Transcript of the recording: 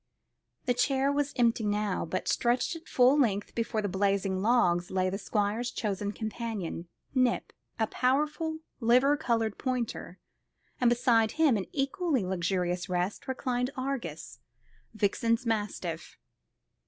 The chair was empty now, but, stretched at full length before the blazing logs, lay the Squire's chosen companion, Nip, a powerful liver coloured pointer; and beside him in equally luxurious rest, reclined Argus, Vixen's mastiff.